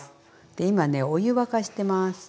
今ねお湯沸かしてます。